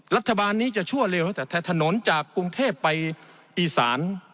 รัฐบาลนี้จะชั่วเร็วตั้งแต่ถนนจากกรุงเทพไปอีสาน